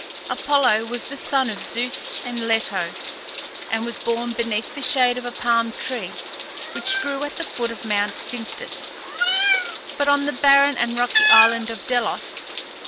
Apollo was the son of Zeus and Leto, and was born beneath the shade of a palm tree which grew at the foot of Mount Cynthus, on the barren and rocky island of Delos.